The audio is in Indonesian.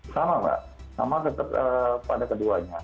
sama mbak sama tetap pada keduanya